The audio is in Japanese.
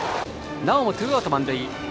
なおもツーアウト満塁。